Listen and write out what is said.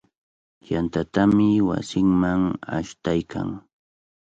Yantatami wasinman ashtaykan.